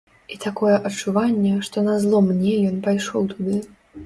І такое адчуванне, што назло мне ён пайшоў туды.